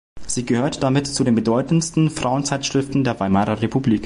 Sie gehört damit zu den bedeutendsten Frauenzeitschriften der Weimarer Republik.